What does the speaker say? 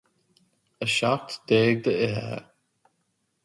A seacht déag d'fhichithe